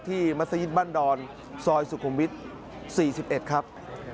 มัศยิตบ้านดอนซอยสุขุมวิทย์๔๑ครับ